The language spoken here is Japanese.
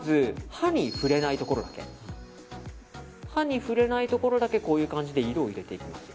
まず、歯に触れないところだけこういう感じで色をのせていきます。